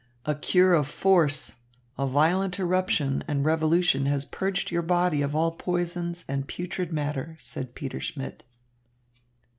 "A cure of force, a violent eruption and revolution has purged your body of all poisons and putrid matter," said Peter Schmidt.